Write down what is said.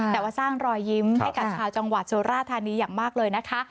แต่ว่าสร้างรอยยิ้มให้กับชาวจังหวัดสุราธานีอย่างมากเลยนะคะ